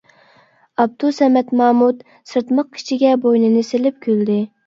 ئابدۇسەمەت مامۇت سىرتماق ئىچىگە بوينىنى سېلىپ كۈلدى.